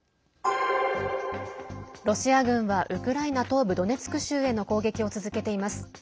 ロシア軍はウクライナ東部ドネツク州への攻撃を続けています。